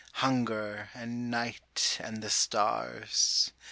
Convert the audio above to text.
.. hunger and night and the stars.